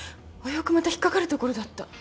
危うくまた引っ掛かるところだった。